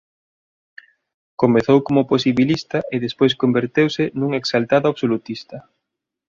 Comezou como posibilista e despois converteuse nun exaltado absolutista.